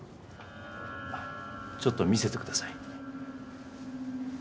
あっちょっと見せてください。